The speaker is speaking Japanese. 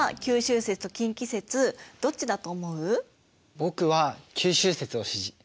僕は九州説を支持。